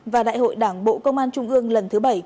và đại hội đảng bộ công an trung ương lần thứ bảy